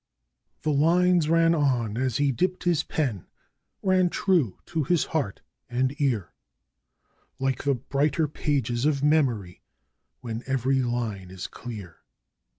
The lines ran on as he dipped his pen ran true to his heart and ear Like the brighter pages of memory when every line is clear.